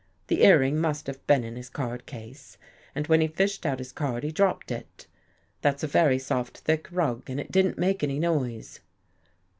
The earring must have been in his card case and when he fished out his card, he dropped it. That's a very soft, thick rug and it didn't make any noise."